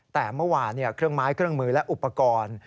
แต่เมื่อวานเครื่องไม้เครื่องมือและอุปกรณ์